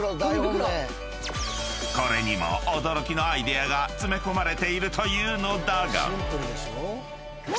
［これにも驚きのアイデアが詰め込まれているというのだが］